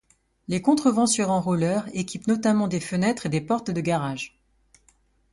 Les contrevents sur enrouleur équipent notamment des fenêtres et des portes de garage.